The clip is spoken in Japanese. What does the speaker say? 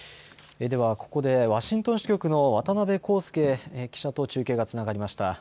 ではここでワシントン支局の渡辺公介記者と中継がつながりました。